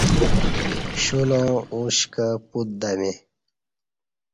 کشولاں اُشکہ پُت دمیں